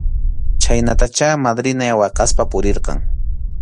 Chhaynatachá madrinay waqaspa purirqan.